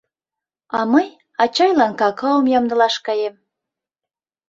А мый ачайлан какаом ямдылаш каем.